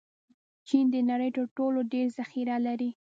چین د نړۍ تر ټولو ډېر ذخیره لري.